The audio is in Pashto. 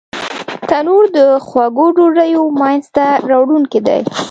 تنور د خوږو ډوډیو مینځ ته راوړونکی دی